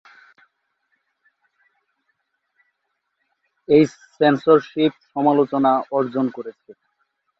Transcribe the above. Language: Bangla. এই সেন্সরশিপ সমালোচনা অর্জন করেছে।